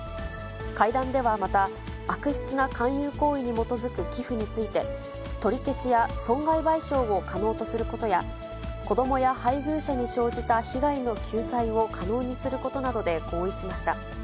会談ではまた、悪質な勧誘行為に基づく寄付について、取り消しや損害賠償を可能とすることや、子どもや配偶者に生じた被害の救済を可能にすることなどで合意しました。